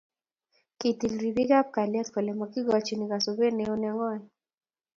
kitil ribik ab kalyet kole makokochin kosubet neo nengwai